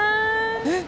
えっ！？